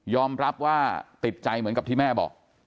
รับว่าติดใจเหมือนกับที่แม่บอก